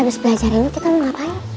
habis belajar ini kita mau ngapain